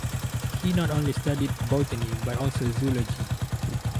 He not only studied botany but also zoology.